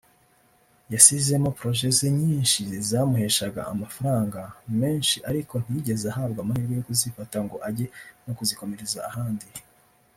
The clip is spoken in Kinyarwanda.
yasizemo projects ze nyinshi zamuheshaga amafaranga menshi ariko ntiyigeze ahabwa amahirwe yo kuzifata ngo ajye no kuzikomereza ahandi